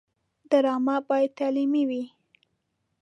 ډرامه باید تعلیمي وي